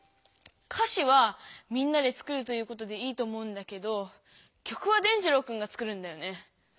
歌詞はみんなで作るということでいいと思うんだけど曲は伝じろうくんが作るんだよね？